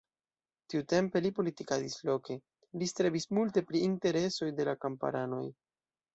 Tiutempe li politikadis loke, li strebis multe pri interesoj de la kamparanoj.